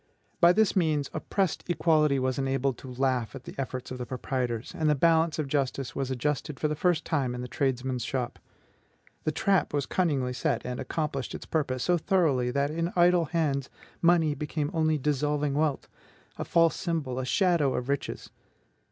By this means, oppressed equality was enabled to laugh at the efforts of the proprietors, and the balance of justice was adjusted for the first time in the tradesman's shop. The trap was cunningly set, and accomplished its purpose so thoroughly that in idle hands money became only dissolving wealth, a false symbol, a shadow of riches.